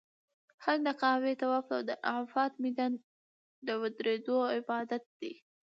حج د کعبې طواف او د عرفات میدان کې د ودریدو عبادت دی.